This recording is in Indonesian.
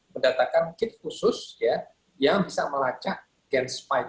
mendatangkan kit khusus yang bisa melacak gen spike